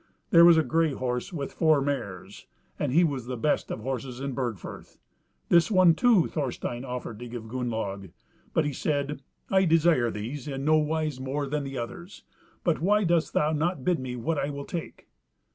There was a grey horse with four mares, and he was the best of horses in Burgfirth. This one, too, Thorstein offered to give Gunnlaug, but he said, "I desire these in no wise more than the others; but why dost thou not bid me what I will take?"